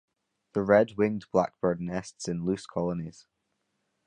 The red-winged blackbird nests in loose colonies.